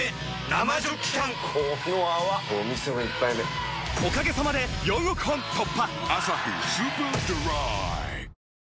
生ジョッキ缶この泡これお店の一杯目おかげさまで４億本突破！